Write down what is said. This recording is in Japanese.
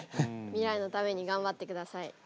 未来のために頑張ってください。